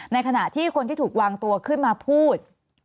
ในขณะที่คนที่ถูกวางตัวขึ้นมาพูด